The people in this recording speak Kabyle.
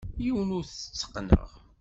Yiwen ur t-tteqqneɣ.